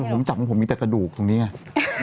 ผมจับของผมมีแต่กระดูกตรงนี้ไง